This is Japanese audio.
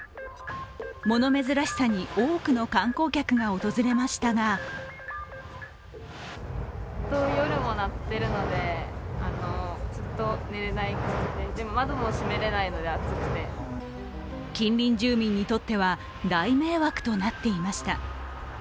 物珍しさに多くの観光客が訪れましたが近隣住民にとっては大迷惑となっていました。